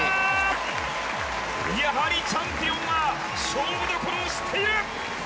やはりチャンピオンは勝負所を知っている！